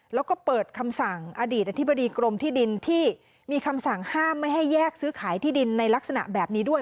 แล้วก็เปิดคำสั่งอดีตอธิบดีกรมที่ดินที่มีคำสั่งห้ามไม่ให้แยกซื้อขายที่ดินในลักษณะแบบนี้ด้วย